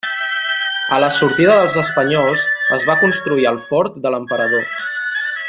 A la sortida dels espanyols, es va construir el fort de l'Emperador.